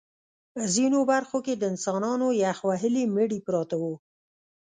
ځینو برخو کې د انسانانو یخ وهلي مړي پراته وو